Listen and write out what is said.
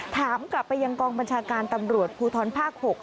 ถามกลับไปยังกองบัญชาการตำรวจภูทรภาค๖